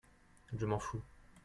Je m'en fous.